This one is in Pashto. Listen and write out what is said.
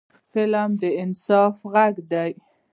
فلم د انصاف غږ دی